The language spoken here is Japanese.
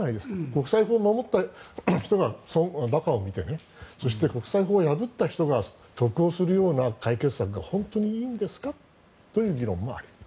国際法を守った人が馬鹿を見て国際法を破った人が得をするような解決策が本当にいいんですかという議論もある。